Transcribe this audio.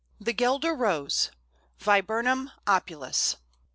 ] The Guelder Rose (Viburnum opulus).